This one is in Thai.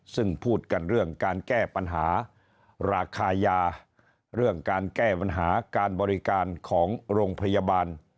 ซึ่งพูดกันเรื่องการแก้ปัญหาราคายาเรื่องการแก้ปัญหาการบริการของโรงพยาบาล